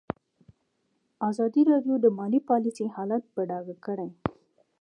ازادي راډیو د مالي پالیسي حالت په ډاګه کړی.